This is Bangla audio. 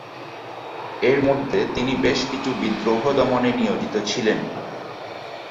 এর মধ্যে তিনি বেশ কিছু বিদ্রোহ দমনে নিয়োজিত ছিলেন।